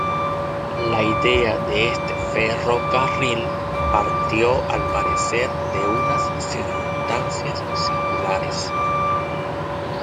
La idea de este ferrocarril partió, al parecer, de unas circunstancias singulares.